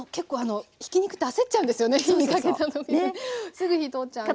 すぐ火通っちゃうんで。